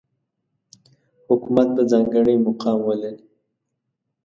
حکومت به ځانګړی مقام ولري.